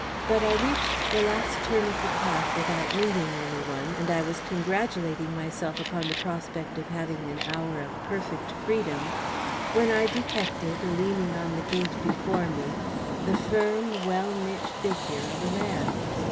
But I reached the last turn of the path without meeting any one, and I was congratulating myself upon the prospect of having an hour of perfect freedom, when I detected, leaning on the gate before me, the firm, well knit figure of a man.